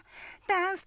ダンス！